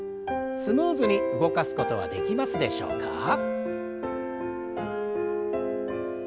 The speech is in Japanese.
スムーズに動かすことはできますでしょうか？